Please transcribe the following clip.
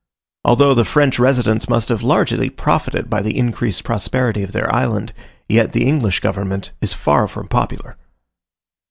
Although the French residents must have largely profited by the increased prosperity of their island, yet the English government is far from popular.